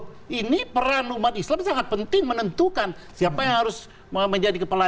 pengambilan dari umat islam sangat penting menentukan siapa yang harus menjadi kepala